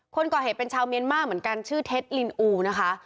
คนก่อเหตุเป็นชาวเมียนมาร์เหมือนกันชื่อเท็จลินอูนะคะ